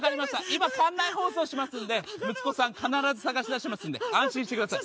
今館内放送しますんで息子さん必ず捜し出しますんで安心してください